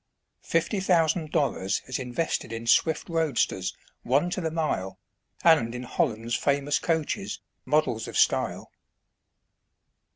Fifty thousand dollars is invested in swift roadsters, one to the mile, and in Holland's famous coaches, models of style.